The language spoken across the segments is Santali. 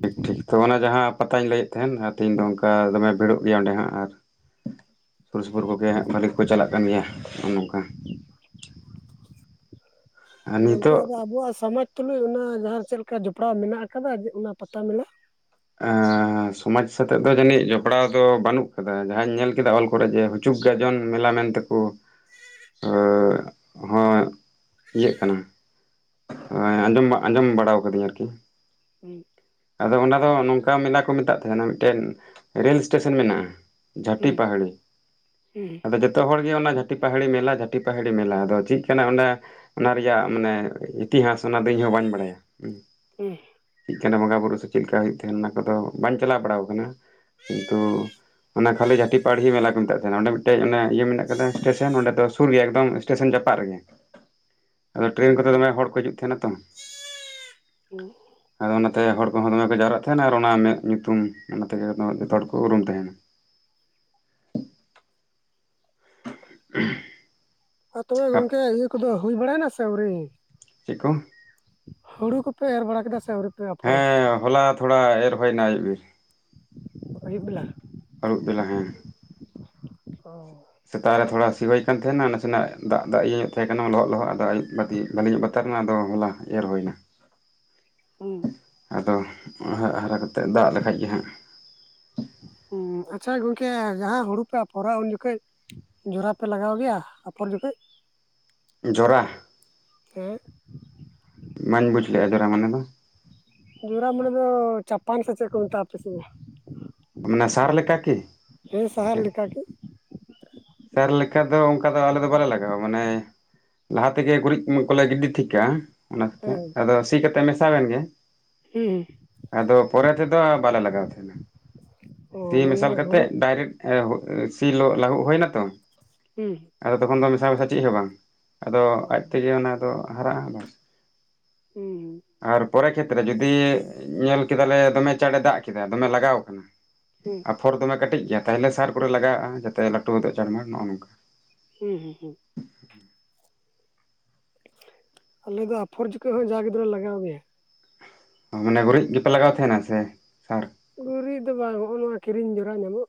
ᱴᱷᱤᱠ ᱴᱷᱤᱠ ᱛᱚ ᱚᱱᱟ ᱡᱟᱦᱟᱸ ᱯᱟᱛᱟᱧ ᱞᱟᱹᱭᱮᱫ ᱛᱟᱦᱮᱱ ᱛᱮᱦᱮᱧ ᱫᱚ ᱚᱱᱠᱟ ᱫᱚᱢᱮ ᱵᱷᱤᱲᱚᱜ ᱜᱮᱭᱟ ᱚᱸᱰᱮ ᱦᱟᱸᱜ ᱟᱨ ᱥᱩᱨ ᱥᱩᱯᱩᱨ ᱠᱚᱜᱮ ᱵᱷᱟᱹᱞᱤ ᱠᱚ ᱪᱟᱞᱟᱜ ᱠᱟᱱ ᱜᱮᱭᱟ ᱱᱚᱝᱠᱟ ᱟᱨ ᱜᱚᱝᱠᱮ ᱱᱤᱛᱚᱜ ᱟᱫᱚ ᱟᱵᱚᱣᱟᱜ ᱥᱚᱢᱟᱡᱽ ᱛᱩᱞᱩᱡ ᱚᱱᱟ ᱡᱟᱦᱟᱸ ᱪᱮᱫ ᱞᱮᱠᱟ ᱡᱚᱯᱲᱟᱣ ᱢᱮᱱᱟᱜ ᱟᱠᱟᱫᱟ ᱚᱱᱟ ᱯᱟᱛᱟ ᱢᱮᱞᱟ ᱟᱻ ᱥᱚᱢᱟᱡᱽ ᱥᱟᱛᱮ ᱫᱚ ᱡᱟᱹᱱᱤᱡ ᱡᱚᱯᱲᱟᱣ ᱫᱚ ᱵᱟᱹᱱᱩᱜ ᱟᱠᱟᱫᱟ ᱡᱟᱦᱟᱸᱧ ᱧᱮᱞ ᱠᱮᱫᱟ ᱚᱞ ᱠᱚᱨᱮ ᱡᱮ ᱦᱩᱪᱩᱜ ᱜᱟᱡᱚᱱ ᱢᱮᱞᱟ ᱢᱮᱱᱛᱮ ᱚᱜ ᱟᱻ ᱤᱭᱟᱹᱜ ᱠᱟᱱᱟ, ᱦᱮᱸ ᱟᱸᱡᱚᱢ ᱟᱸᱡᱚᱢ ᱵᱟᱲᱟ ᱠᱟᱹᱫᱤᱧ ᱟᱨᱠᱤ, [unintelligible] ᱟᱫᱚ ᱚᱱᱟ ᱫᱚ ᱱᱚᱝᱠᱟ ᱢᱮᱞᱟ ᱠᱚ ᱢᱮᱛᱟᱜ ᱛᱟᱦᱮᱸᱱᱟ ᱢᱤᱫᱴᱮᱱ ᱨᱮᱹᱞ ᱮᱥᱴᱮᱥᱚᱱ ᱢᱮᱱᱟᱜᱼᱟ, ᱡᱷᱟᱴᱤᱯᱟᱦᱲᱤ ᱟᱫᱚ ᱡᱚ ᱛᱚ ᱦᱚᱲ ᱜᱮ ᱚᱱᱟ ᱡᱷᱟᱴᱤ ᱯᱟᱦᱟᱲᱤ ᱢᱮᱞᱟ ᱡᱷᱟᱹᱴᱤ ᱯᱟᱦᱟᱲᱤ ᱢᱮᱞᱟ ᱟᱫᱚ ᱪᱮᱫ ᱠᱟᱱᱟ ᱚᱱᱟ ᱚᱱᱟ ᱨᱮᱭᱟᱜ ᱢᱟᱱᱮ ᱤᱛᱤᱦᱟᱥ ᱚᱱᱟ ᱫᱚ ᱤᱧᱦᱚᱸ ᱵᱟᱹᱧ ᱵᱟᱲᱟᱭᱟ ᱦᱩᱸ [unintelligible] ᱪᱮᱫ ᱠᱟᱱᱟ ᱵᱚᱸᱜᱟ ᱵᱩᱨᱩ ᱥᱮ ᱪᱮᱫᱠᱟ ᱦᱩᱭᱩᱜ ᱛᱟᱸᱦᱮᱱᱟ ᱚᱱᱟ ᱠᱚᱫᱚ ᱵᱟᱝᱧ ᱪᱟᱞᱟᱣ ᱵᱟᱲᱟ ᱠᱟᱱᱟ, ᱠᱤᱱᱛᱩ ᱚᱱᱟ ᱠᱷᱟᱹᱞᱤ ᱡᱷᱟᱹᱴᱤ ᱯᱟᱦᱟᱲᱦᱤ ᱢᱮᱞᱟ ᱠᱚ ᱢᱮᱛᱟᱜ ᱛᱟᱦᱮᱱᱟ ᱚᱸᱰᱮ ᱢᱤᱫᱴᱮᱡ ᱚᱱᱮ ᱤᱭᱟᱹ ᱢᱮᱱᱟᱜ ᱠᱟᱫᱟ ᱮᱥᱴᱮᱥᱚᱱ ᱚᱸᱰᱮ ᱫᱚ ᱥᱩᱨ ᱜᱮ ᱮ ᱮᱥᱴᱮᱥᱚᱱ ᱡᱟᱯᱟᱜ ᱨᱮᱜᱮ, ᱟᱫᱚ ᱴᱨᱮᱹᱱ ᱠᱚᱛᱮ ᱫᱚᱢᱮ ᱦᱚᱲ ᱠᱚ ᱦᱤᱡᱩᱜ ᱛᱟᱦᱮᱸᱱᱟ ᱛᱚ᱾ ᱟᱫᱚ ᱚᱱᱟᱛᱮ ᱦᱚᱲ ᱠᱚᱦᱚᱸ ᱫᱚᱢᱮ ᱠᱚ ᱡᱟᱣᱨᱟᱜ ᱛᱟᱦᱮᱱᱟ ᱟᱨ ᱚᱱᱟ ᱢᱮᱫ ᱧᱩᱛᱩᱢ ᱚᱱᱟ ᱛᱮᱜᱮ ᱡᱚᱛᱚ ᱦᱚᱲ ᱠᱚ ᱩᱨᱩᱢ ᱛᱟᱦᱮᱱᱟ᱾ ᱛᱚᱵᱮ ᱜᱚᱝᱠᱮ ᱤᱭᱟᱹ ᱠᱚᱫᱚ ᱦᱩᱭ ᱵᱟᱲᱟᱭᱮᱱᱟ ᱥᱮ ᱟᱹᱣᱨᱤ? ᱪᱮᱫ ᱠᱚ? ᱦᱩᱲᱩ ᱠᱚᱯᱮ ᱮᱨ ᱵᱟᱲᱟ ᱠᱮᱫᱟ ᱥᱮ ᱟᱹᱣᱨᱤ? ᱯᱮ ᱟᱯᱷᱚᱨᱟ ᱦᱮᱸ ᱦᱚᱞᱟ ᱛᱷᱚᱲᱟ ᱮᱨ ᱦᱩᱭᱮᱱᱟ ᱟᱹᱭᱩᱵ ᱵᱮᱨ᱾ ᱟᱹᱭᱩᱵ ᱵᱮᱲᱟ᱾ ᱟᱹᱨᱩᱵ ᱵᱮᱞᱟ ᱦᱮᱸ᱾ ᱚ ᱥᱮᱛᱟᱜ ᱨᱮ ᱛᱷᱚᱲᱟ ᱥᱤ ᱦᱩᱭ ᱠᱟᱱ ᱛᱟᱦᱮᱸᱱᱟ ᱱᱟᱥᱮᱱᱟᱜ ᱫᱟᱜ ᱫᱟᱜ ᱤᱭᱟᱹ ᱧᱚᱜ ᱛᱟᱦᱮᱸ ᱠᱟᱱᱟ ᱞᱚᱦᱚᱫ ᱞᱚᱦᱚᱫ [unintelligible] ᱵᱷᱟᱞᱤᱧᱚᱜ ᱵᱟ [unintelligible] ᱟᱫᱚ ᱦᱚᱞᱟ ᱮᱨ ᱦᱩᱭᱱᱟ᱾ ᱦᱩᱸ, ᱟᱫᱚ ᱦᱟ ᱦᱟᱨᱟ ᱠᱟᱛᱮᱜ ᱫᱟᱜ ᱞᱮᱠᱷᱟᱡ ᱜᱮ ᱦᱟᱸᱟᱜ, ᱦᱩᱸ ᱟᱪᱪᱷᱟ ᱜᱚᱝᱠᱮ ᱡᱟᱦᱟᱸ ᱦᱩᱲᱩ ᱯᱮ ᱟᱯᱷᱚᱨᱟ ᱩᱱ ᱡᱚᱠᱷᱚᱡ ᱡᱚᱨᱟ ᱯᱮ ᱞᱟᱜᱟᱣ ᱜᱮᱭᱟ ᱟᱯᱷᱚᱨ ᱡᱚᱠᱷᱚᱡ? ᱡᱚᱨᱟ? ᱦᱮᱸ ᱵᱟᱹᱧ ᱵᱩᱡᱞᱼᱟ ᱡᱚᱨᱟ ᱢᱟᱱᱮ ᱫᱚ᱾ ᱡᱩᱨᱟ ᱢᱟᱱᱮ ᱫᱚ ᱪᱟᱯᱟᱱ ᱥᱮ ᱪᱮᱫ ᱠᱚ ᱢᱮᱛᱟᱜᱟ ᱟᱯᱮ ᱥᱮᱫ ᱫᱚ᱾ ᱢᱟᱱᱮ ᱥᱟᱨ ᱞᱮᱠᱟ ᱠᱤ? ᱦᱮᱸ ᱥᱟᱦᱟᱨ ᱞᱮᱠᱟᱜᱮ᱾ ᱥᱟᱨ ᱞᱮᱠᱟ ᱫᱚ ᱚᱱᱠᱟ ᱫᱚ ᱟᱞᱮᱫᱚ ᱵᱟᱞᱮ ᱞᱟᱜᱟᱣᱟ ᱢᱟᱱᱮ ᱞᱟᱦᱟ ᱛᱮᱜᱮ ᱜᱩᱨᱤᱡ ᱠᱚᱞᱮ ᱜᱤᱰᱤ ᱴᱷᱤᱠ ᱠᱟᱜᱼᱟ, ᱚᱱᱟᱛᱮ ᱦᱮᱸ ᱟᱫᱚ ᱥᱤ ᱠᱟᱛᱮ ᱢᱮᱥᱟᱣᱮᱱ ᱜᱮ, ᱦᱩᱸ᱾ ᱟᱫᱚ ᱯᱚᱨᱮ ᱛᱮᱫᱚ ᱵᱟᱞᱮ ᱞᱟᱜᱟᱣ ᱛᱟᱦᱮᱸᱱᱟ᱾ ᱚ ᱥᱤ ᱢᱟᱱᱮ ᱢᱮᱥᱟᱞ ᱠᱟᱛᱮ ᱦᱩᱲᱩ ᱰᱟᱭᱨᱮᱠᱴ ᱥᱤ ᱞᱟᱹᱦᱩᱫ ᱦᱩᱭ ᱱᱟᱛᱚ ᱦᱩᱸ ᱦᱩᱸ᱾ ᱟᱫᱚ ᱛᱚᱠᱷᱚᱱ ᱫᱚ ᱢᱮᱥᱟ ᱢᱮᱥᱟ ᱪᱮᱫ ᱦᱚᱸ ᱵᱟᱝ ᱟᱫᱚ ᱟᱡ ᱦᱩᱸ ᱛᱮᱜᱮ ᱚᱱᱟ ᱫᱚ ᱦᱟᱨᱟᱜᱼᱟ ᱵᱟᱥ᱾ ᱦᱩᱸ ᱦᱩᱸ᱾ ᱟᱨ ᱯᱚᱨᱮ ᱠᱷᱮᱛᱨᱮ ᱡᱩᱫᱤ ᱧᱮᱞ ᱠᱮᱫᱟᱞᱮ ᱫᱚᱢᱮ ᱪᱟᱬᱮ ᱫᱟᱜ ᱠᱮᱫᱟ ᱫᱚᱢᱮ ᱞᱟᱜᱟᱣ ᱟᱠᱟᱱᱟ, ᱦᱩᱸ᱾ ᱟᱯᱷᱚᱨ ᱫᱚᱢᱮ ᱠᱟᱹᱴᱤᱡ ᱜᱮᱭᱟ ᱛᱟᱦᱚᱞᱮ ᱥᱟᱨ ᱠᱚᱨᱮ ᱞᱟᱜᱟᱣᱼᱟ ᱡᱟᱛᱮ ᱞᱟᱹᱴᱩ ᱜᱫᱚᱜ ᱪᱟᱲᱢᱟᱨ ᱱᱚᱜᱼᱚ ᱱᱚᱝᱠᱟ᱾ ᱦᱩᱸ ᱦᱩᱸ ᱦᱩᱸ᱾ ᱟᱞᱮ ᱫᱚ ᱟᱯᱷᱚᱨ ᱡᱚᱠᱷᱚᱡ ᱦᱚᱸ ᱡᱟ ᱜᱤᱫᱽᱨᱟᱹ ᱞᱟᱜᱟᱣ ᱜᱮᱭᱟ᱾ ᱢᱟᱱᱮ ᱜᱩᱨᱤᱡ ᱜᱮᱯᱮ ᱞᱟᱜᱟᱣ ᱛᱟᱦᱮᱱᱟ ᱥᱮ ᱥᱟᱨ? ᱜᱩᱨᱤᱡ ᱫᱚ ᱵᱟᱝ ᱦᱚᱜᱼᱚ ᱱᱚᱣᱟ ᱠᱤᱨᱤᱧ ᱡᱚᱨᱟ ᱧᱟᱢᱚᱜ,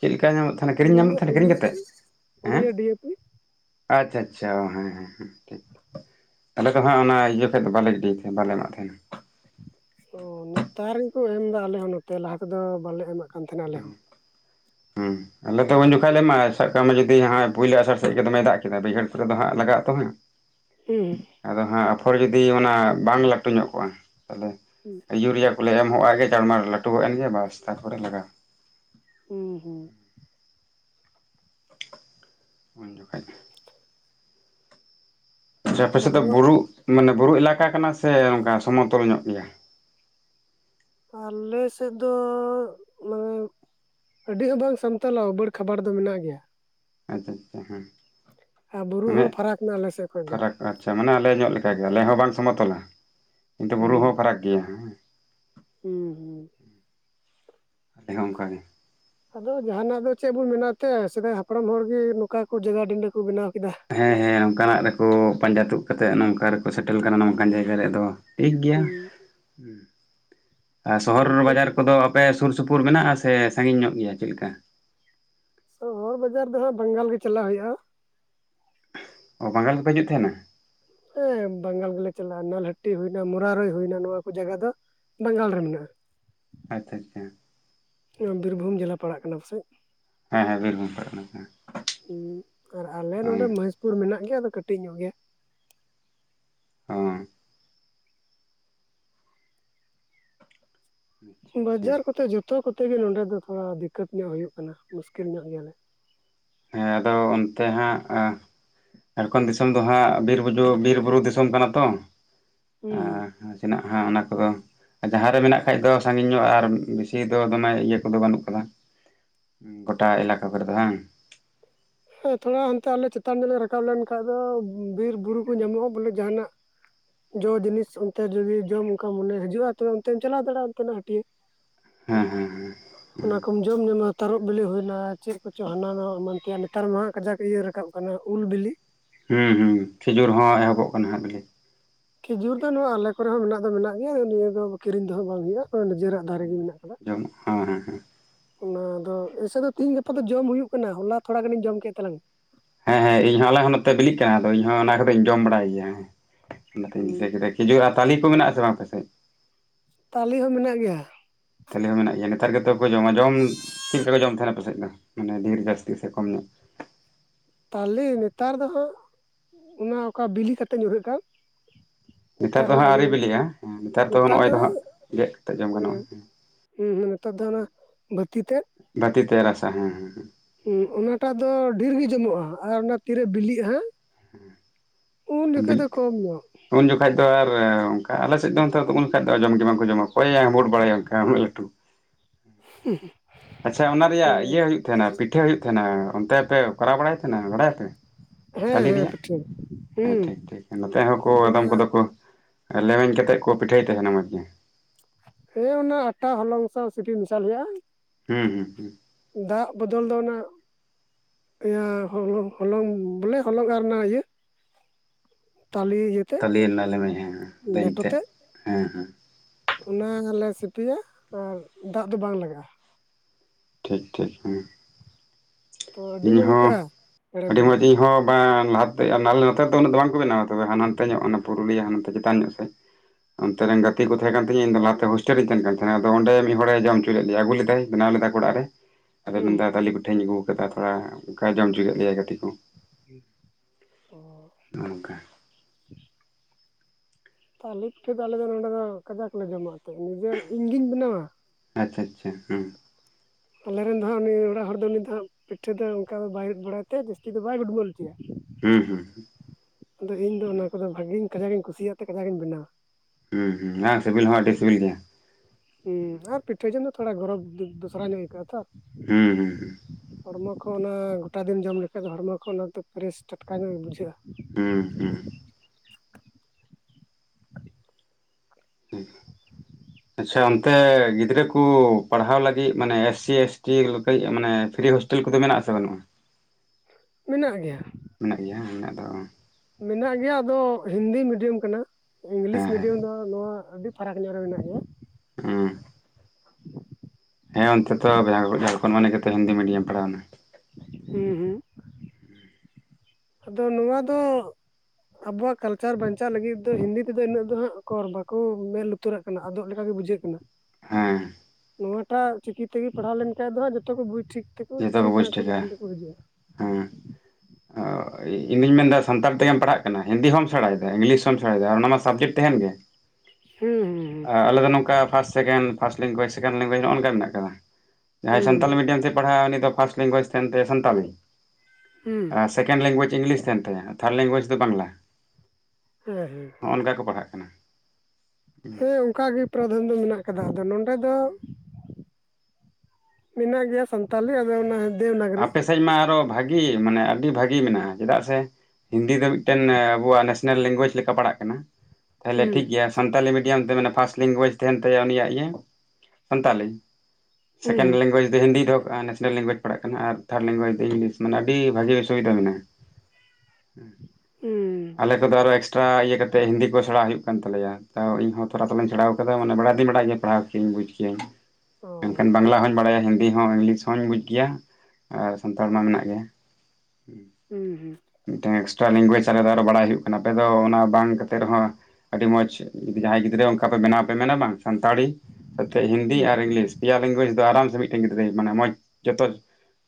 ᱪᱮᱫ ᱞᱤᱠᱟ ᱧᱟᱢ ᱛᱟᱦᱮᱱᱟ ᱠᱤᱨᱤᱧ ᱧᱟᱢᱮᱫ ᱩᱲᱭᱟᱹ ᱛᱟᱦᱮᱱᱟ ᱠᱤᱨᱤᱧ ᱩᱲᱭᱟᱹ ᱠᱟᱛᱮᱫ ᱦᱮᱸ? ᱩᱲᱭᱟᱹ ᱰᱤᱭᱮᱯᱤ ᱟᱪᱪᱷᱟ ᱟᱪᱪᱷᱟ ᱦᱮᱸ ᱦᱮᱸ ᱦᱮᱸ ᱴᱷᱤᱠ᱾ ᱟᱞᱮ ᱫᱚ ᱦᱟᱸᱜ ᱚᱱᱟ ᱤᱭᱟᱹ ᱛᱮᱫ ᱵᱟᱞᱮ ᱜᱤᱰᱤᱭᱮᱫ ᱛᱟᱸᱦᱮ ᱵᱟᱞᱮ ᱮᱢᱟᱜ ᱛᱟᱦᱮᱸᱱᱟ᱾ ᱚ ᱱᱤᱛᱟᱨ ᱜᱮᱠᱚ ᱮᱢ ᱫᱟ ᱟᱞᱮ ᱦᱚᱸ ᱱᱚᱛᱮ ᱞᱟᱦᱟ ᱛᱮᱫᱚ ᱵᱟᱞᱮ ᱮᱢᱟᱜ ᱠᱟᱱ ᱛᱟᱸᱦᱮᱱᱟ ᱟᱞᱮ ᱦᱚᱸ᱾ ᱦᱩᱸ᱾ ᱟᱞᱮ ᱛᱚ ᱩᱱ ᱡᱚᱠᱷᱡᱽ ᱞᱮ ᱮᱢᱟ ᱥᱟᱵ ᱠᱟᱜ ᱢᱮ ᱡᱩᱫᱤ ᱡᱟᱸᱦᱟᱭ ᱯᱩᱭᱞᱳ ᱟᱸᱥᱟᱲ ᱥᱮᱫ ᱜᱮ ᱫᱚᱢᱮᱭ ᱫᱟᱜ ᱠᱮᱫᱟ ᱵᱟᱹᱭᱦᱟᱹᱲ ᱠᱚᱨᱮ ᱫᱚ ᱦᱟᱸᱜ ᱞᱟᱜᱟᱜ ᱟᱛᱚ ᱦᱟᱸᱜ, [inaudible] ᱦᱩᱸ᱾ ᱟᱫᱚ ᱦᱟᱸᱜ ᱟᱯᱷᱚᱨ ᱡᱩᱫᱤ ᱚᱱᱟ ᱵᱟᱝ ᱞᱟᱹᱴᱩ ᱧᱚᱜ ᱠᱚᱜᱼᱟ, ᱛᱟᱦᱞᱮᱼᱼ ᱦᱩᱸ᱾ ᱤᱭᱩᱨᱤᱭᱟ ᱠᱚᱞᱮ ᱮᱢᱚ ᱦᱚᱜᱼᱟᱜ ᱜᱮ ᱪᱟᱲᱢᱟᱨ ᱞᱟᱴᱩ ᱜᱚᱜ ᱮᱱᱜᱮ ᱵᱟᱥ ᱛᱟᱯᱚᱨᱮ ᱞᱟᱜᱟ᱾ ᱦᱩᱸ ᱦᱩᱸ᱾ [unintelligible] ᱟᱪᱪᱷᱟ ᱟᱯᱮ ᱥᱮᱫ ᱫᱚ ᱟᱵᱚᱣᱟᱜ ᱵᱩᱨᱩ ᱢᱟᱱᱮ ᱵᱩᱨᱩ ᱮᱞᱟᱠᱟ ᱠᱟᱱᱟ, ᱥᱮ ᱱᱚᱠᱟ ᱥᱚᱢᱚᱛᱚᱞ ᱧᱚᱜ ᱜᱤᱭᱟ᱾ ᱟᱞᱮ ᱥᱮᱫ ᱫᱚ ᱢᱟᱹᱼᱼ ᱟᱹᱰᱤ ᱦᱚᱸ ᱵᱟᱝ ᱥᱟᱢᱛᱟᱞᱟ ᱩᱵᱟᱹᱲ ᱠᱷᱟᱵᱟᱲ ᱫᱚ ᱢᱮᱱᱟᱜ ᱜᱮᱭᱟ᱾ ᱟᱪᱪᱷᱟ ᱟᱪᱪᱷᱟ ᱦᱮᱸ᱾ ᱟᱨ ᱵᱩᱨᱩ ᱢᱟᱱᱮ ᱦᱚᱸ ᱯᱷᱟᱨᱟᱠ ᱮᱱᱟ ᱟᱞᱮ ᱥᱮᱫ ᱠᱷᱚᱡ ᱫᱚ᱾ ᱯᱷᱟᱨᱟᱠ ᱟᱪᱪᱷᱟ ᱢᱟᱱᱮ ᱟᱞᱮ ᱧᱚᱜ ᱞᱮᱠᱟ ᱜᱮ ᱟᱞᱮ ᱦᱚᱸ ᱵᱟᱝ ᱥᱚᱢᱚᱛᱚᱞᱟ ᱠᱤᱱᱛᱩ ᱵᱩᱨᱩ ᱦᱚᱸ ᱦᱩᱸ ᱯᱷᱟᱨᱟᱠ ᱜᱤᱭᱟ᱾ ᱦᱩᱸ ᱦᱩᱸ᱾ ᱟᱞᱮ ᱦᱚᱸ ᱚᱱᱠᱟ ᱜᱮ᱾ ᱟᱫᱚ ᱡᱟᱦᱟᱱᱟᱜ ᱫᱚ ᱪᱮᱜ ᱵᱚᱱ ᱢᱮᱱᱟᱜ ᱛᱮ ᱥᱮᱫᱟᱭ ᱦᱟᱯᱲᱟᱢ ᱦᱚᱲ ᱜᱤ ᱱᱚᱝᱠᱟ ᱠᱚ ᱡᱟᱜᱟ ᱰᱤᱰᱟᱹ ᱠᱚ ᱵᱮᱱᱟᱣ ᱠᱤᱫᱟ᱾ ᱦᱮᱸ ᱦᱮᱸ ᱱᱚᱝᱠᱟᱱᱟᱜ ᱨᱮᱠᱚ ᱯᱟᱸᱡᱟ ᱛᱩᱫ ᱠᱟᱛᱮ ᱱᱚᱝᱠᱟ ᱨᱮᱠᱚ ᱥᱮᱴᱮᱞ ᱠᱟᱱᱟ ᱱᱚᱝᱠᱟᱱ ᱡᱟᱭᱜᱟ ᱨᱮ ᱟᱫᱚᱼᱼ ᱴᱷᱤᱠ ᱜᱤᱭᱟ ᱦᱩᱸ ᱟᱨ ᱥᱚᱦᱚᱨ ᱩᱱᱠᱩ ᱵᱟᱡᱟᱨᱼᱼ ᱠᱚᱫᱚ ᱟᱯᱮ ᱥᱩᱨ ᱥᱩᱯᱩᱨ ᱢᱮᱱᱟᱜᱼᱟ, ᱥᱮ ᱥᱟᱺᱜᱤᱧ ᱧᱚᱜ ᱜᱤᱭᱟ ᱪᱮᱫ ᱞᱤᱠᱟ? ᱥᱚᱦᱚᱨ ᱵᱟᱡᱟᱨ ᱫᱚ ᱦᱟᱸᱜ ᱵᱟᱝᱜᱟᱞ ᱜᱮ ᱪᱟᱞᱟᱜ ᱦᱳᱭᱳᱜᱼᱟ᱾ ᱚ ᱵᱟᱝᱜᱟᱞ ᱜᱮ ᱯᱮ ᱦᱤᱡᱩᱜ ᱛᱮᱦᱮᱱᱟ? ᱦᱮᱸ ᱵᱟᱝᱜᱟᱞ ᱜᱮᱞᱮ ᱪᱟᱞᱟᱜᱼᱟ, ᱱᱚᱞᱦᱟᱹᱴᱤ ᱦᱩᱭᱱᱟ ᱢᱚᱨᱟᱨᱚᱭ ᱦᱩᱭᱱᱟ ᱱᱚᱣᱟ ᱠᱚ ᱡᱟᱭᱜᱟ ᱫᱚᱼᱼ ᱵᱟᱝᱜᱟᱞ ᱨᱮ ᱢᱮᱱᱟᱜᱼᱟ᱾ ᱟᱪᱪᱷᱟ ᱟᱪᱪᱷᱟ᱾ ᱵᱤᱨᱵᱷᱩᱢ ᱡᱮᱞᱟ ᱯᱟᱲᱟᱜ ᱠᱟᱱᱟ ᱯᱟᱥᱮᱡ᱾ ᱦᱮᱸ ᱦᱮᱸ ᱵᱤᱨᱵᱷᱩᱢ ᱯᱟᱲᱦᱟᱜ ᱠᱟᱱᱟ᱾ ᱦᱩᱸ ᱟᱨ ᱟᱞᱮ ᱱᱚᱸᱰᱮ ᱦᱮᱸ ᱢᱟᱡᱽᱯᱩᱨ ᱢᱮᱱᱟᱜ ᱜᱮᱭᱟ, ᱟᱫᱚ ᱠᱟᱹᱴᱤᱡ ᱧᱚᱜ ᱜᱮᱭᱟ᱾ ᱚᱻ ᱟᱪᱪᱷᱟ ᱟᱪᱪᱷᱟ ᱵᱟᱡᱟᱨ ᱠᱚᱛᱮ ᱡᱚᱛᱚ ᱠᱚᱛᱮ ᱜᱮ ᱱᱚᱸᱰᱮ ᱫᱚ ᱛᱷᱚᱲᱟ ᱫᱤᱠᱠᱟᱛ ᱧᱚᱜ ᱦᱳᱭᱳᱜ ᱠᱟᱱᱟ, ᱢᱩᱥᱠᱤᱞ ᱧᱚᱜ ᱜᱮᱭᱟ ᱞᱮ᱾ ᱦᱮᱸ ᱟᱫᱚ ᱚᱱᱛᱮ ᱦᱟᱸᱜᱼᱼ ᱡᱷᱟᱲᱠᱷᱚᱸᱰ ᱫᱤᱥᱚᱢ ᱫᱚ ᱦᱟᱸᱜ ᱵᱤᱨ ᱵᱩᱡᱩ, ᱵᱤᱨᱵᱩᱨᱩ ᱫᱤᱥᱚᱢ ᱠᱟᱱᱟ ᱛᱚ ᱟᱼᱼ ᱦᱩᱸ ᱦᱮᱱᱟᱜᱼᱟ ᱚᱱᱟ ᱠᱚᱫᱚ᱾ ᱡᱟᱦᱟᱸ ᱨᱮ ᱢᱮᱱᱟᱜ ᱠᱷᱟᱡ ᱫᱚ ᱥᱟᱺᱜᱤᱧ ᱧᱚᱜ ᱟᱨ ᱵᱤᱥᱤ ᱫᱚ ᱫᱚᱢᱮ ᱤᱭᱟᱹ ᱠᱚᱫᱚ ᱵᱟᱹᱱᱩᱜ ᱠᱟᱫᱟ᱾ ᱜᱚᱴᱟ ᱮᱞᱟᱠᱟ ᱠᱚᱨᱮ ᱫᱚ ᱵᱟᱝ᱾ ᱦᱮᱸ ᱛᱷᱚᱲᱟ ᱦᱟᱱᱛᱮ ᱟᱞᱮ ᱪᱮᱛᱟᱱ ᱧᱚᱜ ᱞᱮ ᱨᱟᱠᱟᱵ ᱞᱮᱱ ᱠᱷᱟᱡ ᱫᱚ ᱵᱤᱨ ᱵᱩᱨᱩ ᱠᱚ ᱧᱟᱢᱚᱜ ᱵᱚᱞᱮ ᱡᱟᱦᱟᱱᱟᱜᱼᱼ ᱡᱚ ᱡᱤᱱᱤᱥ ᱚᱱᱛᱮ ᱡᱩᱫᱤ ᱡᱚᱢ ᱚᱱᱠᱟ ᱢᱚᱱᱮ ᱦᱤᱡᱩᱜᱼᱟ, ᱛᱚᱵᱮ ᱚᱱᱛᱮᱢ ᱪᱟᱞᱟᱣ ᱫᱟᱲᱮᱭᱟᱜᱼᱟ, ᱚᱱᱛᱮᱱᱟᱜ ᱦᱟᱹᱴᱭᱟᱹ᱾ ᱦᱮᱸ ᱦᱮᱸ ᱦᱮᱸ᱾ ᱚᱱᱟᱠᱚᱢ ᱡᱚᱢ ᱧᱟᱢᱟ, ᱛᱟᱨᱚᱵ ᱵᱮᱞᱮ ᱦᱳᱭᱱᱟ ᱪᱮᱫ ᱠᱚᱪᱚ ᱦᱟᱱᱟ ᱱᱟᱣᱟ ᱮᱢᱟᱱ ᱛᱮᱭᱟᱜ᱾ ᱱᱮᱛᱟᱨ ᱢᱟ ᱠᱟᱡᱟᱠ ᱤᱭᱟᱹ ᱨᱟᱠᱟᱵ ᱠᱟᱱᱟ ᱩᱞ ᱵᱤᱞᱤ᱾ ᱦᱩᱸ ᱦᱩᱸ ᱠᱷᱤᱡᱩᱨ ᱦᱚᱸ ᱮᱦᱚᱵᱚᱜ ᱠᱟᱱᱟ ᱦᱟᱸᱜ᱾ ᱠᱷᱤᱡᱩᱨ ᱫᱚ ᱱᱚᱣᱟ ᱟᱞᱮ ᱠᱚᱨᱮ ᱦᱚᱸ ᱢᱮᱱᱟᱜ ᱫᱚ ᱢᱮᱱᱟᱜ ᱜᱮᱭᱟ ᱱᱤᱭᱟᱹ ᱫᱚ ᱠᱤᱨᱤᱧ ᱫᱚᱦᱚᱸ ᱵᱟᱝ ᱦᱳᱭᱳᱜᱼᱟ, ᱱᱤᱡᱮᱨᱟᱜ᱾ ᱫᱟᱨᱮ ᱜᱤ ᱢᱮᱱᱟᱜ ᱠᱟᱫᱟ᱾ ᱡᱚᱢ ᱦᱮᱸ ᱦᱮᱸ ᱚᱱᱟ ᱫᱚ ᱟᱹᱭᱥᱟᱹ ᱫᱚ ᱛᱤᱦᱤᱧ ᱜᱟᱯᱟ ᱫᱚ ᱡᱚᱢ ᱦᱩᱭᱩᱜ ᱠᱟᱱᱟ ᱦᱚᱞᱟ ᱛᱷᱚᱲᱟ ᱜᱟᱱᱤᱧ ᱡᱚᱢ ᱠᱮᱫ ᱛᱟᱞᱟᱝᱼᱟ᱾ ᱦᱮᱸ ᱦᱮᱸ ᱤᱧ ᱦᱚᱸ ᱟᱞᱮ ᱦᱚᱸ ᱱᱚᱛᱮ ᱵᱤᱞᱤᱜ ᱠᱟᱱᱟ, ᱟᱫᱚ ᱤᱧ ᱦᱚᱸ ᱚᱱᱟ ᱠᱚᱫᱚᱧ ᱡᱚᱢ ᱵᱟᱲᱟᱭ ᱜᱤᱭᱟ ᱚᱱᱟᱛᱮᱧ ᱫᱤᱥᱟᱹ ᱠᱮᱫᱟ᱾ ᱠᱷᱤᱡᱩᱨ ᱟᱨ ᱛᱟᱞᱤ ᱠᱚ ᱢᱮᱱᱟᱜᱼᱟᱥᱮ ᱵᱟᱝ ᱟᱯᱮ ᱥᱮᱫ? ᱛᱟᱞᱤ ᱦᱚᱸ ᱢᱮᱱᱟᱜ ᱜᱮᱭᱟ᱾ ᱛᱟᱹᱞᱮ ᱦᱚᱸ ᱢᱮᱱᱟᱜ ᱜᱮᱭᱟ ᱱᱮᱛᱟᱨ ᱜᱮᱛᱚ ᱠᱚ ᱡᱚᱢᱟ ᱡᱚᱢ ᱪᱮᱫ ᱞᱮᱠᱟ ᱠᱚ ᱡᱚᱢ ᱛᱟᱦᱮᱱᱟ ᱟᱯᱮᱥᱮᱫ ᱫᱚ ᱢᱟᱱᱮ ᱰᱷᱮᱨ ᱡᱟᱹᱥᱛᱤ ᱥᱮ ᱠᱚᱢ ᱧᱚᱜ? ᱛᱟᱞᱮ ᱱᱮᱛᱟᱨ ᱫᱚ ᱦᱟᱸᱜ ᱚᱱᱟ ᱚᱠᱟ ᱵᱤᱞᱤ ᱠᱟᱛᱮᱫ ᱧᱩᱨᱦᱟᱹᱜ ᱠᱟᱱᱼᱼ ᱱᱮᱛᱟᱨ ᱫᱚ ᱦᱟᱹᱜ ᱟᱹᱣᱨᱤ ᱵᱤᱞᱤᱜᱼᱟ, ᱱᱮᱛᱟᱨ ᱫᱚ ᱱᱚᱜ ᱚᱭ ᱫᱚ ᱦᱟᱜ ᱜᱮᱫ ᱠᱟᱛᱮᱜ ᱡᱚᱢ ᱜᱟᱱᱚᱜᱼᱟ᱾ ᱦᱩᱸ ᱦᱩᱸ ᱱᱮᱛᱟᱨ ᱫᱚ ᱚᱱᱟ ᱵᱷᱟᱛᱤ ᱛᱮᱫᱼᱼ ᱵᱟᱴᱤ ᱛᱮ ᱨᱟᱥᱟ ᱦᱮᱸ ᱦᱮᱸ ᱦᱮᱸ ᱦᱩᱸ ᱚᱱᱟᱴᱟᱜ ᱫᱚ ᱰᱷᱮᱨᱜᱤ ᱡᱚᱢᱚᱜ ᱟ ᱟᱨ ᱚᱱᱟ ᱛᱤᱨᱮ ᱵᱤᱞᱤᱜᱼᱟ ᱦᱟᱸᱜ᱾ ᱩᱱ ᱢᱮᱱ ᱡᱚᱠᱷᱚᱡ ᱫᱟᱹᱧ ᱫᱚ ᱠᱚᱢ ᱧᱚᱜ ᱯᱷᱳᱱ ᱧᱚᱜ ᱵᱟᱠᱷᱟᱡ ᱫᱚ ᱟᱨ ᱚᱱᱠᱟ ᱟᱞᱮ ᱥᱮᱫ ᱫᱚ ᱱᱮᱛᱟᱨ ᱫᱚ ᱚᱱᱠᱟ ᱫᱚ ᱡᱚᱢ ᱜᱮ ᱵᱟᱝᱠᱚ ᱡᱚᱢᱟ᱾ ᱚᱠᱚᱭᱟ ᱦᱟᱢᱵᱩᱲ ᱵᱟᱲᱟᱭᱟ ᱚᱱᱠᱟ ᱩᱱᱟᱜ ᱞᱟᱹᱴᱩ᱾ [unintelligible] ᱟᱪᱪᱷᱟ ᱚᱱᱟ ᱨᱮᱭᱟᱜ ᱤᱭᱟᱹ ᱦᱩᱭᱩᱜ ᱛᱟᱦᱮᱸᱱᱟ, ᱯᱤᱴᱷᱟᱹ ᱦᱩᱭᱩᱜ ᱛᱟᱦᱮᱸᱱᱟ᱾ ᱚᱱᱛᱮ ᱯᱮ ᱠᱚᱨᱟᱣ ᱵᱟᱲᱟᱭ ᱛᱟᱦᱮᱸᱱᱟ ᱵᱟᱲᱟᱭᱟᱯᱮ? ᱦᱮᱸ ᱛᱟᱞᱤ ᱦᱮᱸ ᱨᱮᱭᱟᱜ ᱯᱤᱴᱷᱟᱹᱭ, ᱦᱮᱸ ᱴᱷᱤᱠ ᱴᱷᱤᱠ, ᱱᱚᱛᱮ ᱦᱚᱸᱠᱚ ᱟᱫᱚᱢ ᱠᱚᱫᱚ ᱠᱚ ᱞᱮᱣᱮᱧ ᱠᱟᱛᱮᱫ ᱠᱚ ᱯᱤᱴᱷᱟᱹᱭ ᱛᱟᱦᱮᱸᱱᱟ ᱢᱚᱡᱽ ᱜᱮ᱾ ᱦᱮᱸ ᱚᱱᱟ ᱟᱴᱟ ᱦᱚᱞᱚᱝ ᱥᱟᱶ ᱥᱤᱯᱤ ᱢᱮᱥᱟᱞ ᱦᱩᱭᱩᱜᱼᱟ᱾ ᱦᱩᱸ ᱦᱩᱸ ᱦᱩᱸ ᱫᱟᱜ ᱵᱚᱫᱚᱞ ᱫᱚ ᱚᱱᱟ ᱮᱸᱭᱟ ᱦᱚᱞᱚᱝ ᱦᱚᱞᱚᱝ ᱵᱚᱞᱮ ᱦᱚᱞᱚᱝ ᱟᱨ ᱚᱱᱟ ᱤᱭᱟᱹ ᱛᱟᱞᱤ ᱛᱟᱞᱮ ᱚᱱᱟ ᱞᱟᱹᱭ ᱢᱮ ᱦᱮᱸ ᱦᱮᱸ, ᱫᱮᱱᱛᱮᱜ ᱦᱮᱸ ᱦᱮᱸ, ᱚᱱᱟ ᱟᱞᱮ ᱥᱤᱯᱤᱭᱟ ᱟᱨ ᱫᱟᱜ ᱫᱚ ᱵᱟᱝ ᱞᱟᱜᱟᱜᱼᱟ᱾ ᱴᱷᱤᱠ ᱴᱷᱤᱠ ᱦᱩᱸ, ᱛᱚ ᱟᱹᱰᱤ ᱤᱧ ᱢᱚᱡᱽ ᱦᱚᱸ ᱟᱹᱭᱠᱟᱹᱜᱼᱟ ᱦᱮᱲᱮᱢ ᱟᱹᱰᱤ ᱢᱚᱡᱽ ᱦᱮᱲᱮᱢ ᱤᱧ ᱦᱚᱸ ᱵᱟᱝ ᱞᱟᱦᱟᱛᱮ ᱱᱟᱞᱮ ᱱᱚᱛᱮ ᱫᱚ ᱩᱱᱟᱹᱜ ᱫᱚ ᱵᱟᱝᱠᱚ ᱵᱮᱱᱟᱣᱟ, ᱛᱚᱵᱮ ᱦᱟᱱᱟᱱᱛᱮ ᱧᱚᱜ ᱚᱱᱟ ᱯᱩᱨᱩᱞᱤᱭᱟᱹ ᱦᱟᱱᱟᱱᱛᱮ ᱪᱮᱛᱟᱱ ᱧᱚᱜ ᱥᱮᱜ᱾ ᱚᱱᱛᱮ ᱨᱮᱱ ᱜᱟᱛᱮ ᱠᱚ ᱛᱟᱦᱮᱸ ᱠᱟᱱ ᱛᱤᱧᱟ᱾ ᱤᱧ ᱫᱚ ᱞᱟᱦᱟ ᱛᱮ ᱦᱳᱥᱴᱮᱞ ᱨᱮᱧ ᱠᱟᱱ ᱛᱟᱦᱮᱸᱱᱟ᱾ ᱟᱫᱚ ᱚᱸᱰᱮ ᱢᱤᱫ ᱦᱚᱲᱮ ᱡᱚᱢ ᱚᱪᱚ ᱞᱮᱫ ᱞᱮᱭᱟ, ᱟᱹᱜᱩ ᱞᱮᱫᱟᱭ ᱵᱮᱱᱟᱣ ᱞᱮᱫᱟ ᱚᱲᱟᱜ ᱨᱮ, ᱟᱫᱚ ᱦᱩᱸ ᱢᱮᱱᱫᱟ ᱛᱟᱞᱤ ᱯᱤᱴᱸᱷᱟᱧ ᱟᱹᱜᱩ [unintelligible] ᱛᱷᱚᱲᱟ ᱚᱱᱠᱟᱭ ᱡᱚᱢ ᱦᱚᱪᱚ ᱠᱮᱫ ᱞᱮᱭᱟᱭ ᱜᱟᱛᱮ ᱠᱚ ᱚ ᱱᱚᱜ-ᱚ ᱱᱚᱝᱠᱟ᱾ [unintelligible] ᱛᱟᱞᱮ ᱯᱤᱴᱷᱟᱹ ᱫᱚ ᱟᱞᱮᱫᱚ ᱱᱚᱸᱰᱮ ᱫᱚ ᱠᱟᱡᱟᱠᱞᱮ ᱡᱚᱢᱟ, ᱮᱱᱛᱮ ᱱᱤᱡᱮᱨ ᱤᱧᱜᱤᱧ ᱵᱮᱱᱟᱣᱟ᱾ ᱟᱪᱪᱷᱟ ᱟᱪᱪᱷᱟ ᱦᱩᱸ ᱟᱞᱮ ᱨᱮᱱ ᱫᱚ ᱦᱟᱸᱜ ᱩᱱᱤ ᱚᱲᱟᱜ ᱦᱚᱲ ᱫᱚ ᱩᱱᱤ ᱫᱚ ᱦᱟᱸᱜ ᱯᱤᱴᱷᱟᱹ ᱫᱚ ᱚᱱᱠᱟ ᱫᱚ ᱵᱟᱭ ᱨᱤᱫ ᱵᱟᱲᱟᱭ ᱛᱮ ᱡᱟᱹᱥᱛᱤ ᱫᱚ ᱵᱟᱭ ᱜᱩᱰᱢᱟᱹ ᱦᱚᱪᱚᱭᱟ᱾ ᱦᱩᱸ ᱦᱩᱸ ᱟᱫᱚ ᱤᱧ ᱫᱚ ᱚᱱᱟ ᱠᱚᱫᱚ ᱵᱷᱟᱜᱤᱧ ᱠᱟᱡᱟᱠ ᱤᱧ ᱠᱩᱥᱤᱭᱟᱜ ᱛᱮ ᱠᱟᱡᱟᱠ ᱤᱧ ᱵᱮᱱᱟᱣᱟ᱾ ᱦᱩᱸ ᱦᱩᱸ ᱦᱮᱸ ᱥᱤᱵᱤᱞ ᱦᱚᱸ ᱟᱹᱰᱤ ᱥᱤᱵᱤᱞ ᱜᱮᱭᱟ᱾ ᱦᱩᱸ ᱟᱨ ᱯᱤᱴᱷᱟᱹ ᱡᱚᱢ ᱫᱚ ᱛᱷᱚᱲᱟ ᱜᱚᱨᱚᱵᱽ ᱫᱚ ᱫᱚᱥᱨᱟ ᱧᱚᱜ ᱟᱹᱭᱠᱟᱹᱜᱼᱟ ᱛᱚ᱾ ᱦᱩᱸ ᱦᱩᱸ ᱦᱩᱸ ᱦᱚᱲᱢᱚ ᱠᱚ ᱚᱱᱟ ᱜᱚᱴᱟ ᱫᱤᱱ ᱡᱚᱢ ᱞᱮᱠᱷᱟᱡ ᱫᱚ ᱦᱚᱲᱢᱚ ᱠᱷᱚᱱ ᱚᱱᱟ ᱫᱚ ᱯᱨᱮᱥ ᱴᱟᱴᱠᱟ ᱧᱚᱜ ᱵᱩᱡᱷᱟᱹᱜᱼᱟ᱾ ᱦᱩᱸ ᱦᱩᱸ [inaudible] ᱴᱷᱤᱠ ᱜᱮᱭᱟ, ᱟᱪᱪᱷᱟ ᱚᱱᱛᱮ ᱜᱤᱫᱽᱨᱟᱹ ᱠᱚ ᱯᱟᱲᱦᱟᱣ ᱞᱟᱹᱜᱤᱫ ᱢᱟᱱᱮ ᱮᱥ ᱥᱤ ᱮᱥ ᱴᱤ ᱠᱟᱹᱡ ᱢᱟᱱᱮ ᱯᱷᱤᱨᱤ ᱦᱳᱥᱴ ᱦᱳᱴᱮᱞ ᱠᱚᱫᱚ ᱢᱮᱱᱟᱜ ᱟᱥᱮ ᱵᱟᱹᱱᱩᱜᱼᱟ? ᱢᱮᱱᱟᱜ ᱜᱮᱭᱟ, ᱢᱮᱱᱟᱜ ᱜᱮᱭᱟ, ᱢᱮᱱᱟᱜ ᱫᱚ ᱚ᱾ ᱢᱮᱱᱟᱜ ᱜᱮᱭᱟ, ᱟᱫᱚ ᱦᱤᱱᱫᱤ ᱢᱤᱰᱤᱭᱟᱹᱢ ᱠᱟᱱᱟ᱾ ᱤᱝᱞᱤᱥ ᱦᱮᱸ ᱦᱮᱸ ᱢᱤᱰᱤᱭᱟᱹᱢ ᱫᱚ ᱱᱚᱣᱟ ᱟᱹᱰᱤ ᱯᱷᱟᱨᱟᱠ ᱧᱚᱜ ᱨᱮ ᱢᱮᱱᱟᱜ ᱜᱮᱭᱟ᱾ ᱦᱩᱸ ᱦᱮᱸ ᱚᱱᱛᱮ ᱛᱚ ᱡᱷᱟᱲᱠᱷᱚᱸᱰ ᱢᱟᱱᱮ ᱜᱮᱛᱚ ᱦᱤᱱᱫᱤ ᱢᱤᱰᱤᱭᱟᱢ ᱯᱟᱲᱟᱣ ᱮᱱᱟ᱾ ᱦᱩᱸ ᱦᱩᱸ [inaudible] ᱟᱫᱚ ᱱᱚᱣᱟ ᱫᱚ ᱟᱵᱚᱣᱟᱜ ᱠᱟᱞᱪᱟᱨ ᱵᱟᱧᱪᱟᱜ ᱞᱟᱹᱜᱤᱫ ᱫᱚ ᱦᱤᱱᱫᱤ ᱛᱮᱫᱚ ᱤᱱᱟᱹᱜ ᱫᱚ ᱦᱟᱸᱜ ᱠᱚ ᱵᱟᱠᱚ ᱢᱮᱫ ᱞᱩᱛ ᱛᱩᱨᱟᱜ ᱠᱟᱱᱟ ᱟᱫᱚᱜ ᱞᱮᱠᱟ ᱜᱮ ᱵᱩᱡᱷᱟᱹᱜ ᱠᱟᱱᱟ᱾ ᱦᱮᱸ ᱱᱚᱣᱟ ᱴᱟᱜ ᱪᱤᱠᱤ ᱛᱮᱜᱮ ᱯᱟᱲᱦᱟᱣ ᱞᱮᱱᱠᱷᱟᱱ ᱫᱚ ᱦᱟᱸᱜ ᱡᱚᱛᱚ ᱠᱚ ᱵᱩᱡᱽ ᱴᱷᱤᱠ ᱴᱷᱤᱠ᱾ ᱡᱷᱚᱛᱚ ᱠᱚ ᱵᱩᱡᱽ ᱦᱟᱸᱜ ᱴᱷᱤᱠᱟ ᱞᱟᱭᱤᱱ ᱛᱮᱠᱚ ᱦᱤᱡᱩᱜᱼᱟ ᱦᱮᱸ ᱚ᱾ ᱤᱧ ᱫᱩᱧ ᱢᱮᱱ ᱫᱟ ᱥᱟᱱᱛᱟᱲ ᱛᱮᱜᱮᱢ ᱯᱟᱲᱦᱟᱜ ᱠᱟᱱᱟ, ᱦᱤᱱᱫᱤ ᱦᱚᱢ ᱥᱮᱬᱟᱭ ᱫᱟ, ᱤᱝᱞᱤᱥ ᱦᱚᱢ ᱥᱮᱬᱟᱭ ᱫᱟ ᱟᱨ ᱚᱱᱟ ᱢᱟ ᱥᱟᱵᱡᱮᱠᱴ ᱛᱟᱦᱮᱸᱱ ᱜᱮ᱾ ᱦᱩᱸ ᱟᱞᱮ ᱫᱚ ᱱᱚᱝᱠᱟ first second first language second language ᱱᱚᱜ-ᱱᱚᱝᱠᱟ ᱢᱮᱱᱟᱜ ᱠᱟᱫᱟ ᱡᱟᱦᱟᱸᱭ ᱦᱩᱸ ᱥᱟᱱᱛᱟᱞᱤ ᱢᱤᱰᱤᱭᱟᱢ ᱛᱮ ᱯᱟᱲᱦᱟᱜ-ᱟ ᱩᱱᱤ ᱫᱚ ᱯᱷᱟᱥᱴ ᱞᱮᱝᱜᱩᱣᱮᱡᱽ ᱛᱟᱦᱮᱱ ᱛᱟᱭ ᱥᱟᱱᱛᱟᱞᱤ ᱦᱩᱸ ᱟᱨ ᱥᱮᱠᱮᱱ ᱞᱮᱝᱜᱩᱣᱮᱡᱽ ᱤᱝᱞᱤᱥ ᱛᱟᱦᱮᱱ ᱛᱟᱭᱟ, ᱛᱷᱟᱲ ᱞᱮᱝᱜᱩᱣᱮᱡᱽ ᱫᱚ ᱵᱟᱝᱞᱟ ᱦᱮᱸ ᱦᱮᱸ ᱦᱚᱸᱜᱼ ᱦᱮᱸ ᱱᱚᱝᱠᱟ ᱠᱚ ᱯᱟᱲᱦᱟᱜ ᱠᱟᱱᱟ ᱚᱱᱠᱟᱜ ᱜᱮ ᱯᱨᱚᱵᱚᱞᱮᱢ ᱫᱚ ᱢᱮᱱᱟᱜ ᱟᱠᱟᱫᱟ ᱟᱫᱚ ᱱᱚᱸᱰᱮ ᱫᱚ ᱢᱮᱱᱟᱜ ᱜᱮᱭᱟ ᱥᱟᱱᱛᱟᱞᱤ ᱟᱫᱚ ᱚᱱᱟ ᱫᱮᱵᱽᱱᱟᱜᱽᱨᱤ ᱯᱟᱥᱮᱫ ᱢᱟ ᱟᱨᱚ ᱵᱷᱟᱜᱤ ᱢᱟᱱᱮ ᱟᱹᱰᱤ ᱵᱷᱟᱹᱜᱤ ᱢᱮᱱᱟᱜᱼᱟ ᱪᱮᱫᱟᱜ ᱥᱮ ᱦᱤᱱᱫᱤ ᱫᱚ ᱢᱤᱜᱴᱮᱱ ᱟᱵᱚᱣᱟᱜ ᱱᱮᱥᱱᱮᱞ ᱞᱮᱝᱜᱩᱣᱮᱡ ᱞᱮᱠᱟ ᱯᱟᱲᱟᱜ ᱠᱟᱱᱟ ᱛᱟᱦᱭᱞᱮ ᱦᱩᱸ ᱴᱷᱤᱠ ᱜᱮᱭᱟ ᱥᱟᱱᱛᱟᱞᱤ ᱢᱤᱰᱤᱭᱟᱢ ᱛᱮ ᱢᱮᱱᱟ ᱯᱷᱟᱥᱴ ᱞᱮᱝᱜᱩᱣᱮᱡᱽ ᱛᱟᱦᱮᱱ ᱛᱟᱭᱟ ᱩᱱᱤᱭᱟᱜ ᱤᱭᱟᱹ ᱥᱟᱱᱛᱟᱞᱤ ᱦᱩᱸ ᱥᱮᱠᱮᱱᱰ ᱞᱮᱝᱜᱩᱭᱮᱡ ᱫᱚ ᱦᱤᱱᱫᱤ ᱫᱚᱦᱚ ᱠᱟᱜᱼᱟ ᱥᱮᱠᱮᱱᱰ ᱞᱮᱝᱜᱩᱣᱮᱡᱽ ᱯᱟᱲᱟᱜ ᱠᱟᱱᱟ ᱟᱨ ᱛᱷᱷᱷᱷᱟᱨᱰ ᱞᱮᱝᱜᱩᱣᱮᱡᱽ ᱫᱚ ᱤᱝᱞᱤᱥ ᱢᱟᱱᱮ ᱟᱹᱰᱤ ᱵᱷᱟᱹᱜᱤ ᱥᱩᱵᱤᱫᱷᱟ ᱢᱮᱱᱟᱜᱼᱟ ᱦᱩᱸ ᱟᱞᱮ ᱠᱚᱫᱚ ᱟᱨ ᱮᱠᱥᱴᱨᱟ ᱤᱭᱟᱹ ᱠᱟᱛᱮ ᱦᱤᱱᱫᱤ ᱠᱚ ᱥᱮᱬᱟ ᱦᱩᱭᱩᱜ ᱠᱟᱱ ᱛᱟᱞᱮᱭᱟ ᱛᱚ ᱤᱧ ᱛᱷᱚᱲᱟ ᱛᱷᱚᱲᱟᱧ ᱥᱮᱲᱟ ᱟᱠᱟᱫᱟ ᱢᱟᱱᱮ ᱵᱟᱰᱟᱭ ᱫᱩᱧ ᱵᱟᱰᱟᱭ ᱜᱮᱭᱟ ᱯᱟᱲᱦᱟᱣ ᱵᱩᱡᱽ ᱜᱮᱭᱟᱹᱧ ᱚ ᱢᱮᱱᱠᱷᱟᱱ ᱵᱟᱝᱞᱟ ᱦᱚᱧ ᱵᱟᱲᱟᱭᱟ ᱦᱤᱱᱫᱤ ᱦᱚᱸ ᱤᱝᱞᱤᱥ ᱦᱚᱧ ᱵᱩᱡᱽ ᱜᱮᱭᱟ ᱟᱨ ᱥᱟᱱᱛᱟᱲ ᱢᱟ ᱢᱮᱱᱟᱜ ᱜᱮ ᱦᱩᱸ ᱦᱩᱸ ᱢᱤᱫᱴᱮᱱ ᱮᱠᱥᱴᱨᱟ ᱞᱮᱝᱜᱩᱣᱮᱡ ᱟᱞᱮ ᱫᱚ ᱟᱨᱚ ᱵᱟᱲᱟᱭ ᱦᱩᱭᱩᱜ ᱠᱟᱱᱟ ᱟᱯᱮ ᱫᱚ ᱚᱱᱟ ᱵᱟᱝ ᱠᱟᱛᱮᱫ ᱨᱮᱦᱚᱸ ᱟᱹᱰᱤ ᱢᱚᱸᱡᱽ ᱡᱟᱦᱟᱸᱭ ᱜᱤᱫᱽᱨᱟᱹ ᱚᱱᱠᱟ ᱯᱮ ᱵᱮᱱᱟᱣ ᱯᱮ ᱢᱮᱱᱟ ᱵᱟᱝ ᱥᱟᱱᱛᱟᱲᱤ ᱥᱟᱶᱛᱮ ᱦᱤᱱᱫᱤ ᱦᱩᱸ ᱟᱨ ᱤᱝᱞᱤᱥ ᱯᱮᱭᱟ ᱞᱮᱝᱜᱩᱣᱮᱡᱽ ᱫᱚ ᱟᱨᱟᱢ ᱥᱮ ᱢᱤᱫᱴᱮᱱ ᱜᱤᱫᱽᱨᱟᱹᱭ ᱢᱟᱱᱮ ᱢᱚᱡᱽ ᱡᱚᱛᱚ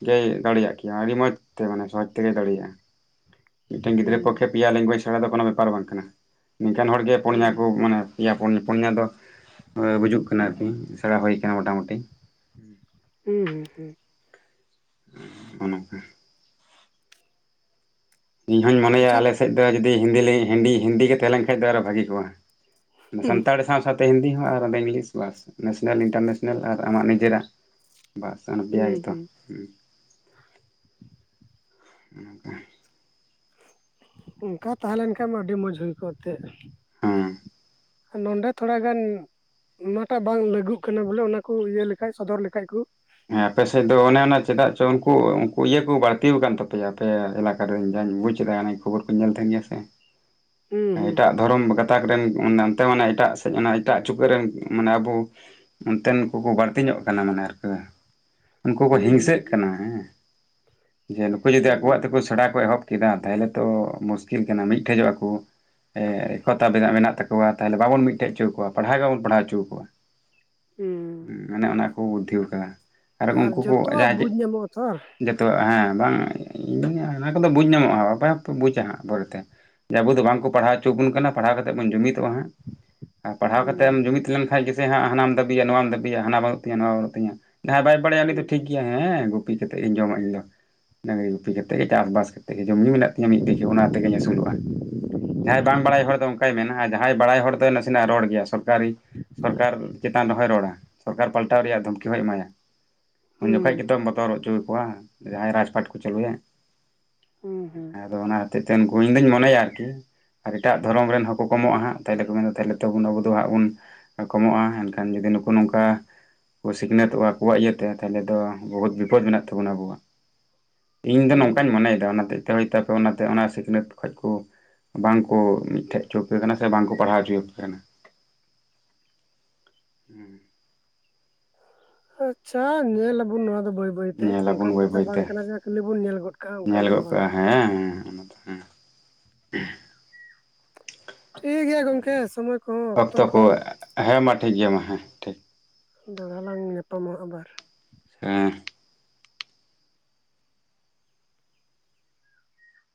ᱜᱮᱭ ᱫᱟᱲᱮᱭᱟᱜ ᱠᱮᱭᱟ ᱟᱹᱰᱤ ᱢᱚᱡᱽ ᱛᱮ ᱢᱟᱱᱮ ᱥᱚᱦᱚᱡᱽ ᱛᱮᱜᱮᱭ ᱫᱟᱲᱮᱭᱟᱜᱼᱟ ᱢᱤᱫᱴᱮᱱ ᱜᱤᱫᱽᱨᱟᱹ ᱦᱩᱸ ᱯᱚᱠᱷᱮ ᱯᱮᱭᱟ ᱞᱮᱝᱜᱩᱣᱮᱡᱽ ᱪᱷᱟᱲᱟ ᱫᱚ ᱠᱳᱚᱱᱳ ᱵᱮᱯᱟᱨ ᱵᱟᱝ ᱠᱟᱱᱟ ᱢᱮᱱᱠᱷᱟᱱ ᱦᱚᱲ ᱜᱮ ᱯᱩᱱᱭᱟ ᱦᱩᱸ ᱠᱚ ᱢᱟᱱᱮ ᱯᱮᱭᱟ ᱯᱩᱱᱭᱟ ᱫᱚ ᱵᱩᱡᱩᱜ ᱠᱟᱱᱟ ᱟᱨ ᱠᱤ ᱥᱮᱬᱟ ᱦᱩᱭ ᱟᱠᱟᱱᱟ ᱢᱚᱴᱟᱢᱩᱴᱤ ᱦᱩᱸ ᱻ [unintelligible] ᱤᱧ ᱦᱚᱧ ᱢᱚᱱᱮᱭᱟ ᱟᱪᱪᱷᱟ ᱟᱞᱮ ᱥᱮᱫ ᱫᱚ ᱡᱩᱫᱤ ᱦᱤᱱᱫᱤ ᱜᱮ ᱛᱟᱦᱮᱸ ᱞᱮᱱ ᱠᱷᱟᱱ ᱫᱚ ᱟᱨᱦᱚᱸ ᱵᱷᱟᱹᱜᱤ ᱠᱚᱜᱼᱟ ᱦᱩᱸ ᱥᱟᱱᱛᱟᱲ ᱥᱟᱶ ᱥᱟᱶᱛᱮ ᱦᱤᱱᱫᱤ ᱦᱚᱸ ᱟᱨ ᱟᱫᱚ ᱤᱝᱞᱤᱥ ᱵᱟᱥ ᱱᱮᱥᱱᱮᱞ ᱤᱱᱴᱟᱨᱱᱮᱥᱱᱮᱞ ᱟᱨ ᱟᱢᱟᱜ ᱱᱤᱡᱮᱨᱟᱜ ᱵᱟᱥ ᱡᱟᱦᱟᱱ ᱯᱤᱭᱟ ᱦᱩᱸ ᱜᱮᱛᱚ ᱦᱩᱸ [unintelligible] ᱚᱝᱠᱟ ᱛᱟᱦᱮᱸ ᱞᱮᱱᱠᱷᱟᱡ ᱢᱟ ᱟᱹᱰᱤ ᱢᱚᱸᱡᱽ ᱦᱩᱭ ᱠᱚᱜ ᱛᱮᱜ ᱦᱩᱸ ᱱᱚᱰᱮ ᱛᱷᱚᱲᱟᱜᱟᱱ ᱚᱱᱟᱴᱟᱜ ᱵᱟᱝ ᱞᱟᱹᱜᱩᱜ ᱠᱟᱱᱟ ᱵᱚᱞᱮ ᱚᱱᱟ ᱠᱚ ᱤᱭᱟᱹ ᱞᱮᱠᱷᱟᱡ ᱥᱚᱫᱚᱨ ᱞᱮᱠᱷᱟᱡ ᱠᱩ? ᱦᱮᱸ ᱟᱯᱮ ᱥᱮᱜ ᱫᱚ ᱚᱱᱮ ᱚᱱᱟ ᱪᱮᱫᱟᱜ ᱪᱚ ᱩᱱᱠᱩ ᱩᱱᱠᱩ ᱤᱭᱟᱹ ᱠᱚ ᱵᱟᱹᱲᱛᱤ ᱠᱟᱱ ᱛᱟᱯᱮᱭᱟ ᱟᱯᱮ ᱮᱞᱟᱠᱟ ᱚᱠᱟᱨᱤᱧ ᱡᱟᱧ ᱵᱩᱡᱽ ᱫᱟ ᱚᱱᱟ ᱠᱷᱚᱵᱚᱨ ᱠᱚᱧ ᱧᱮᱞ ᱛᱟᱦᱮᱱ ᱜᱮᱭᱟ ᱥᱮ ᱦᱩᱸ ᱦᱩᱸ ᱮᱴᱟᱜ ᱫᱷᱚᱨᱚᱢ ᱜᱟᱛᱟ ᱨᱮᱱ ᱚᱱᱛᱮ ᱢᱟᱱᱮ ᱮᱴᱟᱜ ᱥᱮᱫ ᱚᱱᱟ ᱮᱴᱟᱜ ᱪᱩᱠᱟᱹᱜ ᱨᱮᱱ ᱢᱟᱱᱮ ᱟᱵᱚ ᱚᱱᱛᱮᱱ ᱠᱚᱠᱚ ᱵᱟᱹᱲᱛᱤ ᱧᱚᱜ ᱠᱟᱱᱟ ᱢᱟᱱᱮ ᱟᱨ ᱠᱤ ᱩᱱᱠᱩ ᱠᱚ ᱦᱩᱸ ᱦᱤᱝᱥᱟᱹᱜ ᱠᱟᱱᱟ ᱦᱮᱸ ᱡᱮ ᱱᱩᱠᱩ ᱡᱩᱫᱤ ᱦᱩᱸ ᱟᱠᱚᱣᱟᱜ ᱦᱩᱸ ᱛᱮᱠᱚ ᱥᱮᱲᱟ ᱠᱚ ᱮᱦᱚᱵ ᱠᱮᱫᱟ ᱛᱟᱦᱚᱞᱮ ᱛᱚ ᱢᱩᱥᱠᱤᱞ ᱠᱟᱱᱟ ᱢᱤᱫ ᱴᱷᱮᱡᱚᱜ ᱟᱠᱩ ᱮ ᱠᱚᱛᱟᱵᱮᱱᱟᱜ ᱢᱮᱱᱟᱜ ᱛᱟᱠᱚᱣᱟ ᱛᱟᱦᱚᱞᱮ ᱵᱟᱵᱚᱱ ᱢᱤᱫᱴᱷᱮᱜ ᱪᱩ ᱠᱚᱣᱟ ᱯᱟᱲᱦᱟᱣ ᱜᱮ ᱵᱟᱵᱚᱱ ᱯᱟᱲᱦᱟᱜ ᱪᱩ ᱠᱚᱣᱟ ᱦᱩᱸ ᱢᱟᱱᱮ ᱚᱱᱟ ᱠᱚ ᱵᱩᱫᱽᱫᱷᱤ ᱳᱰᱳᱝ- ᱟᱭ ᱟᱨ ᱡᱚᱛᱚᱣᱟᱜ ᱵᱩᱡᱽ ᱧᱟᱢᱚᱜᱼᱟ ᱛᱚ ᱡᱚᱛᱚᱣᱟᱜ ᱦᱮᱸ ᱵᱟᱝ ᱤᱧ ᱚᱱᱟ ᱠᱚᱫᱚ ᱵᱩᱡᱽ ᱧᱟᱢᱚᱜᱼᱟ ᱟᱯᱮ ᱦᱚᱸᱯᱮ ᱵᱩᱡᱟ ᱦᱟᱸᱜ ᱯᱚᱨᱮ ᱛᱮ ᱡᱮ ᱟᱵᱚ ᱫᱚ ᱵᱟᱝᱠᱚ ᱯᱟᱲᱦᱟᱣ ᱪᱚᱣᱟ ᱵᱚᱱ ᱠᱟᱱᱟ ᱯᱟᱲᱦᱟᱣ ᱛᱮᱫ ᱵᱩᱱ ᱡᱩᱢᱤᱫᱚᱜᱼᱟ ᱦᱟᱸᱜ ᱟᱨ ᱯᱟᱲᱦᱟᱣ ᱠᱟᱛᱮ ᱦᱩᱸ ᱮᱢ ᱡᱩᱢᱤᱫ ᱞᱮᱝᱠ ᱥᱮ ᱡᱩᱫᱤ ᱦᱟᱸᱜ ᱦᱟᱱᱟᱢ ᱫᱟᱹᱵᱤᱭᱟ ᱱᱚᱣᱟᱢ ᱫᱟᱹᱵᱤᱭᱟ ᱦᱟᱱᱟ ᱵᱟᱹᱱᱩᱜ ᱛᱤᱧᱟᱹ ᱱᱚᱣᱟ ᱵᱟᱱᱩᱜ ᱛᱤᱧᱟ ᱡᱟᱦᱟᱸᱭ ᱵᱟᱭ ᱵᱟᱲᱟᱭᱟ ᱩᱱᱤ ᱫᱚ ᱦᱩᱸ ᱴᱷᱤᱠ ᱜᱮᱭᱟ ᱦᱮᱸ ᱜ ᱜᱩᱯᱤ ᱠᱟᱛᱮ ᱤᱧ ᱡᱚᱢᱟ ᱤᱧᱫᱚ ᱰᱟᱝᱨᱤ ᱜᱩᱯᱤ ᱠᱟᱛᱮ ᱜᱮ ᱪᱟᱥᱵᱟᱥ ᱛᱮᱜᱮ ᱡᱚᱢ ᱧᱩ ᱢᱮᱱᱟᱜ ᱛᱤᱧᱟᱹ ᱢᱤᱫ ᱵᱤᱜᱷᱟᱹ ᱚᱱᱟ ᱛᱮᱜᱮᱧ ᱟᱹᱥᱩᱞᱚᱜᱼᱟ ᱡᱟᱦᱟᱸᱭ ᱵᱟᱝ ᱵᱟᱲᱟᱭ ᱦᱚᱲ ᱫᱚ ᱚᱝᱠᱟᱭ ᱢᱮᱱᱟ ᱟᱨ ᱡᱟᱦᱟᱸᱭ ᱵᱟᱲᱟᱭ ᱦᱚᱲ ᱫᱚ ᱱᱟᱥᱮᱱᱟᱜ ᱨᱚᱲ ᱜᱮᱭᱟ ᱥᱚᱨᱠᱟᱨᱤ ᱥᱚᱨᱠᱟᱨ ᱪᱮᱛᱟᱱ ᱨᱮᱦᱚᱭ ᱨᱚᱲᱟ ᱥᱚᱨᱠᱟᱨ ᱯᱟᱞᱴᱟᱣ ᱨᱮᱭᱟᱜ ᱫᱷᱩᱢᱠᱤ ᱦᱚᱸᱭ ᱮᱢᱟᱭᱟ ᱩᱱ ᱦᱩᱸ ᱡᱚᱠᱷᱚᱱ ᱜᱮᱛᱚ ᱵᱟ ᱛᱚᱨ ᱚᱪᱩᱭᱮᱜ ᱠᱚᱣᱟ ᱡᱟᱦᱟᱸᱭ ᱨᱟᱡᱽᱯᱟᱴ ᱠᱚ ᱪᱟᱹᱞᱩᱭᱟ᱾ ᱦᱩᱸ ᱦᱩᱸ᱾ ᱟᱫᱚ ᱚᱱᱟ ᱦᱚᱛᱮᱡ ᱛᱮ ᱩᱱᱠᱩ ᱤᱧ ᱫᱩᱧ ᱢᱚᱱᱮᱭᱟ ᱟᱨᱠᱤ ᱟᱨ ᱮᱴᱟᱜ ᱫᱷᱚᱨᱚᱢ ᱨᱮᱱ ᱦᱚ ᱠᱚ ᱠᱚᱢᱚᱜᱼᱟ ᱦᱟᱸᱜ ᱛᱟᱦᱚᱞᱮ ᱠᱚ ᱢᱮᱱᱫᱟ ᱛᱟᱦᱚᱞᱮ ᱛᱚ ᱟᱵᱚ ᱢᱟ ᱟᱵᱚ ᱫᱚ ᱦᱟᱸᱜ ᱵᱚᱱ ᱠᱚᱢᱚᱜᱼᱟ ᱮᱱᱠᱷᱟᱱ ᱡᱩᱫᱤ ᱱᱩᱠᱩ ᱱᱚᱝᱠᱟ ᱠᱚ ᱥᱤᱠᱷᱱᱟᱹᱛᱚᱜᱼᱟ ᱟᱠᱚᱣᱟᱜ ᱤᱭᱟᱹ ᱛᱮ ᱛᱟᱦᱚᱞᱮ ᱫᱚ ᱵᱚᱦᱩᱛ [inaudible] ᱢᱮᱱᱟᱜ ᱛᱟᱵᱚᱱᱟ ᱟᱵᱚᱣᱟᱜ, ᱤᱧ ᱫᱚ ᱦᱩᱸ ᱱᱚᱝᱠᱟᱧ ᱢᱚᱱᱮᱭ ᱮᱫᱟ ᱚᱱᱟ ᱛᱮ᱾ ᱛᱚ ᱦᱩᱭ ᱛᱟᱠᱚ ᱚᱱᱟ ᱛᱮ ᱚᱱᱟ ᱥᱤᱠᱷᱱᱟᱹᱛ ᱠᱷᱚᱡ ᱠᱚ ᱵᱟᱝ ᱠᱚ ᱢᱤᱜᱴᱷᱮᱡ ᱪᱚ ᱟᱠᱩ ᱠᱟᱱᱟ ᱥᱮ ᱵᱟᱝ ᱠᱚ ᱯᱟᱲᱦᱟᱣ ᱪᱚ ᱟᱠᱩ ᱠᱟᱱᱟ᱾ ᱦᱩᱸ᱾ [inaudible] ᱪᱷᱟ ᱧᱮᱞ ᱟᱵᱩᱱ ᱱᱚᱣᱟ ᱫᱚ ᱵᱟᱹᱭ ᱵᱟᱹᱭᱛᱮ ᱧᱮᱞᱟᱵᱚᱱ ᱚᱱᱠᱟᱱ ᱵᱟᱹᱭ ᱠᱟᱛᱷᱟ ᱵᱟᱹᱭᱛᱮ ᱵᱟᱝ ᱠᱟᱱᱟ ᱡᱮ ᱠᱷᱟᱹᱞᱤ ᱵᱚᱱ ᱧᱮᱞ ᱜᱚᱫ ᱠᱟᱜᱼᱟ ᱧᱮᱞ ᱚᱱᱠᱟᱱᱟᱜ ᱦᱚᱸ ᱜᱚᱫ ᱵᱟᱝ ᱠᱟᱜᱼᱟ ᱠᱟᱱᱟ᱾ ᱦᱮᱸ ᱚᱱᱟ ᱫᱚ ᱦᱮᱸ ᱴᱷᱤ ᱜᱮᱭᱟ ᱜᱚᱝᱠᱮ ᱥᱚᱢᱚᱭ ᱠᱚᱦᱚᱸ ᱚᱠᱛᱚ ᱠᱚ ᱠᱚᱦᱚᱸ ᱦᱮᱸ ᱢᱟ ᱴᱷᱤᱠ ᱜᱮᱭᱟ ᱢᱟ ᱦᱮᱸ᱾ ᱴᱷᱤᱠ ᱫᱚᱲᱦᱟ ᱞᱟᱝ ᱧᱟᱯᱟᱢᱟ ᱟᱵᱟᱨ᱾ ᱦᱩᱸ᱾